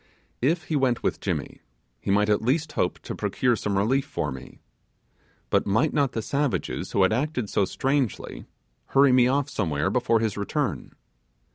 If he went with Jimmy, he might at least hope to procure some relief for me. But might not the savages who had acted so strangely, hurry me off somewhere before his return?